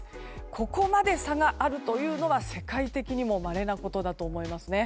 ここまで差があるというのは世界的にもまれなことだと思います。